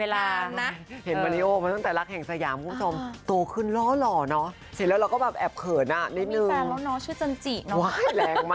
แล้วจ๊ะกะลินทำไมต้องทำแบบอย่างเงี้ย